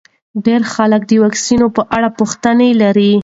ډېر خلک د واکسین په اړه پوښتنې لري.